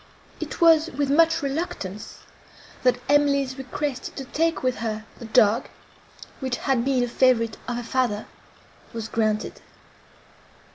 It was with much reluctance, that Emily's request to take with her the dog, which had been a favourite of her father, was granted.